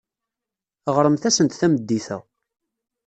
Ɣremt-asent tameddit-a.